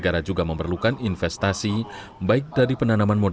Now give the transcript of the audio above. kalau kita bisa turunkan ke lima pasti pertumbuhan akan naik